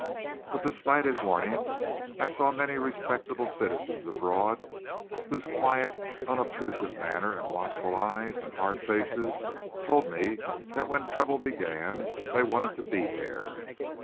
But despite his warning I saw many respectable citizens abroad whose quiet, unobtrusive manner and watchful eyes and hard faces told me that when trouble began they wanted to be there.